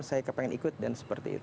saya kepengen ikut dan seperti itu